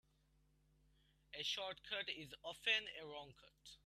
A short cut is often a wrong cut.